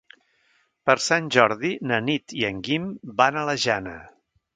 Per Sant Jordi na Nit i en Guim van a la Jana.